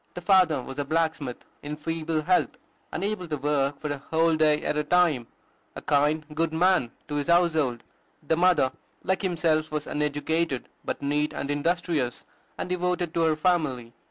The father was a blacksmith, in feeble health, unable to work for a whole day at a time, a kind, good man to his household; the mother, like himself, was uneducated, but neat and industrious, and devoted to her family.